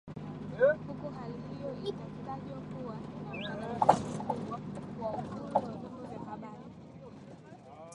huku hali hiyo ikitajwa kuwa ni ukandamizaji mkubwa wa uhuru wa vyombo vya habari